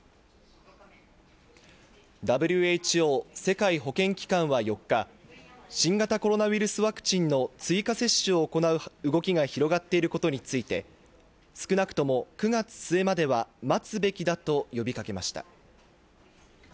ＷＨＯ＝世界保健機関は４日、新型コロナウイルスワクチンの追加接種を行う動きが広がっていることについて、少なくとも９月末までは待つべきだと呼びかけました。